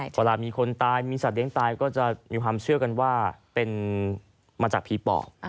เวลามีคนตายมีสัตว์เลี้ยงตายก็จะมีความเชื่อกันว่าเป็นมาจากผีปอบ